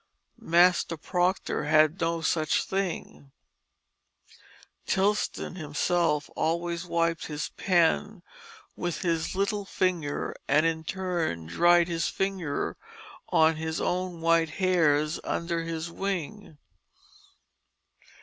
Master Proctor had no such thing." Tileston himself always wiped his pens with his little finger and in turn dried his finger on his own white hairs under his wig.